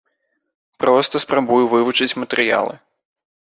Проста спрабую вывучыць матэрыялы.